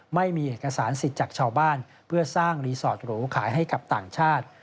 ไม่มีเอกสารสิทธิ์จากชาวบ้านเพื่อสร้างรีสอร์ตหรูขายให้กับต่างชาติ